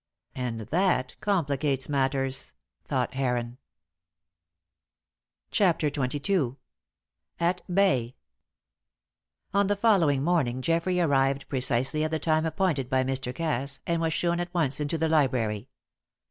"And that complicates matters," thought Heron. CHAPTER XXII. AT BAY. On the following morning, Geoffrey arrived precisely at the time appointed by Mr. Cass, and was shewn at once into the library.